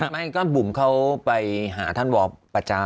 ไม่ก็บุ๋มเขาไปหาท่านวอประจำ